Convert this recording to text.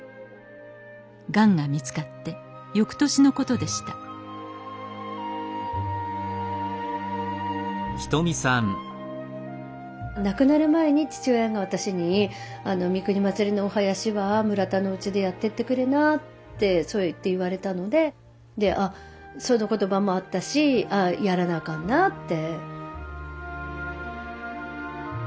がんが見つかってよくとしのことでした亡くなる前に父親が私に「三国祭のお囃子は村田のうちでやってってくれな」ってそうやって言われたのででその言葉もあったし「ああやらなあかんな」って。